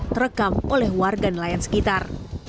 terekam oleh warga nelayan sekitar